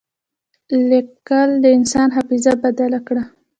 لیکل د انسان حافظه بدل کړه.